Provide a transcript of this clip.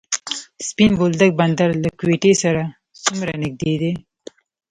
سپین بولدک بندر له کویټې سره څومره نږدې دی؟